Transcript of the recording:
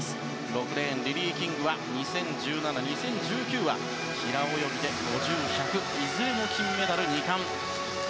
６レーン、リリー・キングは２０１７、２０１９は平泳ぎで５０ｍ、１００ｍいずれも金メダル、２冠。